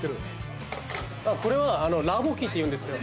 これはラッポッキっていうんですよ。